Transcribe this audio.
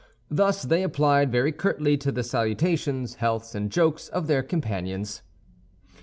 Thus they applied very curtly to the salutations, healths, and jokes of their companions.